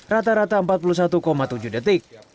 rata rata empat puluh satu tujuh detik